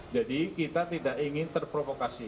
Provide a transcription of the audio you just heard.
jadi kita tidak ingin terprovokasi